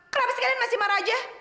kenapa sih kalian masih marah aja